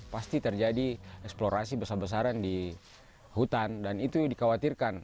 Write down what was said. pasti terjadi eksplorasi besar besaran di hutan dan itu dikhawatirkan